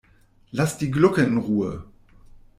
Lass die Glucke in Ruhe!